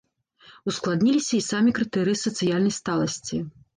Ускладніліся і самі крытэрыі сацыяльнай сталасці.